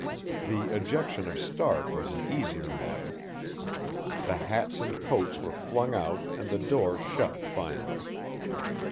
The ejection of Stark was an easier matter. The hats and coats were flung out and the door shut finally.